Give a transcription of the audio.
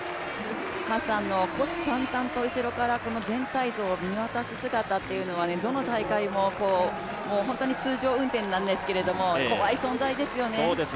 ハッサンの虎視眈々と後ろから全体像を見渡す姿というのはどの大会も通常運転なんですけれども、怖い存在ですよね。